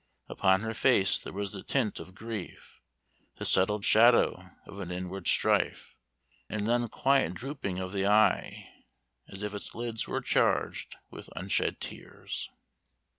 Upon her face there was the tint of grief, The settled shadow of an inward strife, And an unquiet drooping of the eye, As if its lids were charged with unshed tears."